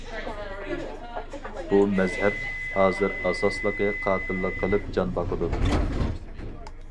بۇ مەزھەپ ھازىر ئاساسلىقى قاتىللىق قىلىپ جان باقىدۇ.